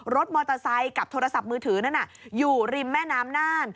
รถมอเตอร์ไซค์กับโทรศัพท์มือถือนั่นน่ะอยู่ริมแม่น้ำน่าน